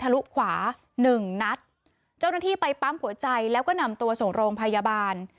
ลุขวาหนึ่งนัดเจ้าหน้าที่ไปปั๊มหัวใจแล้วก็นำตัวส่งโรงพยาบาล